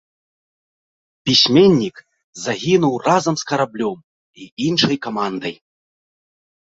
Пісьменнік загінуў разам з караблём і іншай камандай.